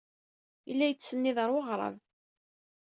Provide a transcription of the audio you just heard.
Yella yettsennid ɣer weɣrab.